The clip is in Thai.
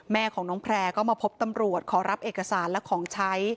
แม่ของน้องแพร่ก็มาพบตำรวจขอรับเอกสารและของใช้